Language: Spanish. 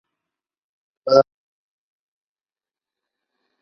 Trasladado a Chañaral, donde falleció.